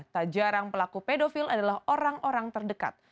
tak jarang pelaku pedofil adalah orang orang terdekat